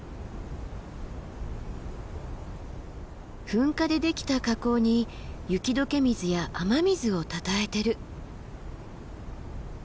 噴火でできた火口に雪解け水や雨水をたたえてる。